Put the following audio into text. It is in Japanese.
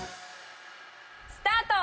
スタート！